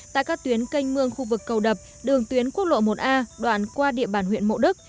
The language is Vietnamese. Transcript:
tại các tuyến canh mương khu vực cầu đập đường tuyến quốc lộ một a đoạn qua địa bàn huyện mộ đức